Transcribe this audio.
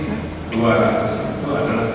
dua ratus itu adalah